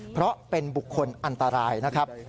เพราะเป็นบุคคลอันตรายนะครับ